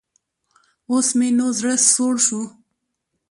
اوس مې نو زړۀ سوړ شو.